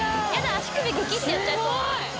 足首グキッてやっちゃいそう。